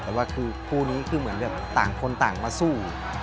แต่ว่าคือคู่นี้คือเหมือนแบบต่างคนต่างมาสู้